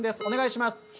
お願いします。